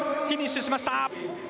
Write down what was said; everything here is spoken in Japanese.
フィニッシュしました！